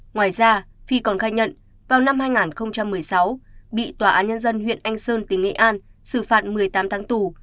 ngoài ra phi còn khai nhận vào năm hai nghìn một mươi sáu bị tòa án nhân dân huyện anh sơn tỉnh nghệ an xử phạt một mươi tám tháng tù